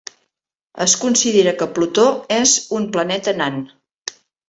Es considera que Plutó és un planeta nan.